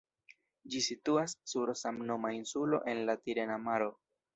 Ĝi situas sur samnoma insulo en la Tirena Maro.